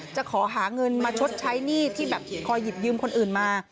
จะขอหาเงินมาชดใช้หนี้ที่แบบคอยหยิบยืมคนอื่นมา